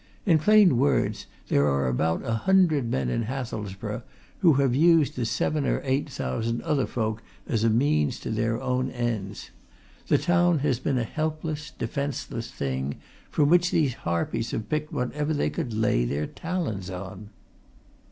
In plain words, there are about a hundred men in Hathelsborough who have used the seven or eight thousand other folk as a means to their own ends. The town has been a helpless, defenceless thing, from which these harpies have picked whatever they could lay their talons on!"